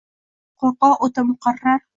Qo‘rqoq o‘tar muqarrar…